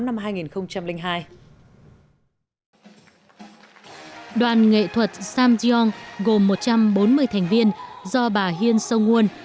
đoàn nghệ thuật samgyeong gồm một trăm bốn mươi thành viên do bà hyun sung woon